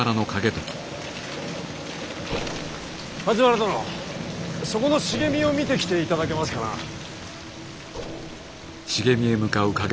梶原殿そこの茂みを見てきていただけますかな。